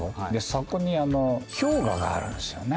そこに氷河があるんですよね。